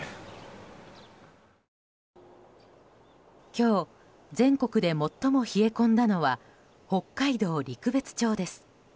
今日全国で最も冷え込んだのは北海道陸別町です。